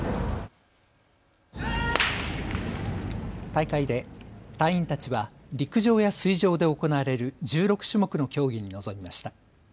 大会で隊員たちは陸上や水上で行われる１６種目の競技に臨みました。